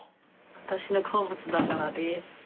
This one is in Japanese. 私の好物だからです。